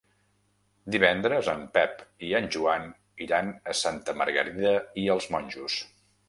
Divendres en Pep i en Joan iran a Santa Margarida i els Monjos.